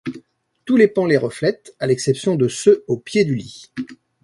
Tous les pans les reflètent, à l’exception de ceux au pied du lit.